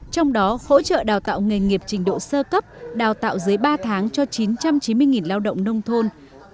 trong đó hỗ trợ đào tạo nghề nghiệp trình độ sơ cấp đào tạo dưới ba tháng cho chín trăm chín mươi lao động nông thôn